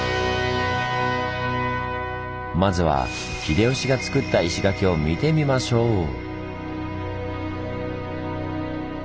まずは秀吉がつくった石垣を見てみましょう！